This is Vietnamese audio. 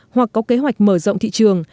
hoặc có kế hoạch mở rộng thị trường